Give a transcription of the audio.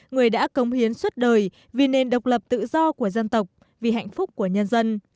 người đã công hiến suốt đời vì nền độc lập tự do của dân tộc vì hạnh phúc của nhân dân